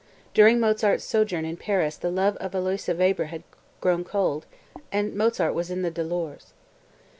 During Mozart's sojourn in Paris the love of Aloysia Weber had grown cold, and Mozart was in the dolors.)